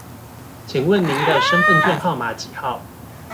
請問您的身分證號碼幾號